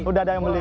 udah ada yang beli